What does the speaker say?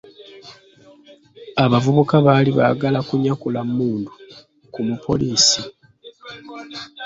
Abavubuka baali baagala kunyakula mmundu ku mupoliisi.